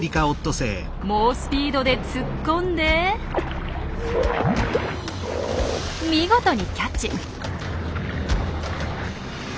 猛スピードで突っ込んで見事にキャッチ。